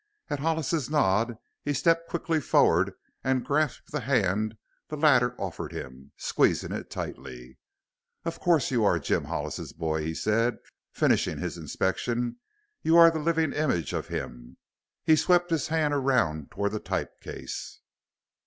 At Hollis's nod he stepped quickly forward and grasped the hand the latter offered him, squeezing it tightly. "Of course you are Jim Hollis's boy!" he said, finishing his inspection. "You are the living image of him!" He swept his hand around toward the type case.